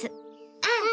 うん。